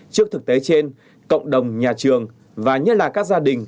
trước thực tế trên cộng đồng nhà trường và nhất là các gia đình